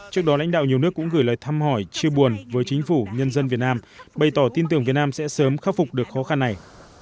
trước đó lãnh đạo nhiều nước cũng gửi lời thăm hỏi chia buồn với chính phủ nhân dân việt nam bày tỏ tin tưởng việt nam sẽ sớm khắc phục được khó khăn này